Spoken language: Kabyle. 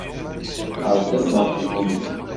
Terziḍ ɣef London.